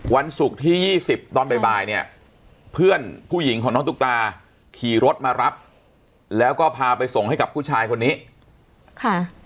วันศุกร์ที่ยี่สิบตอนบ่ายเนี่ยเพื่อนผู้หญิงของน้องตุ๊กตาขี่รถมารับแล้วก็พาไปส่งให้กับผู้ชายคนนี้ค่ะ